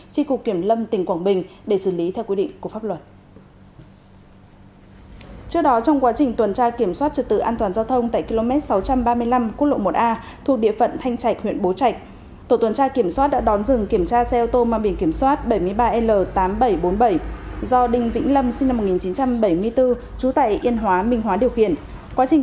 chi cục kiểm lâm tỉnh quảng bình để xử lý theo quy định của pháp luật